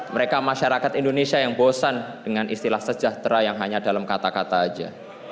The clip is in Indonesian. mereka masyarakat indonesia yang bosan dengan istilah sejahtera yang hanya dalam kata kata saja